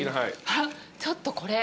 あっちょっとこれ。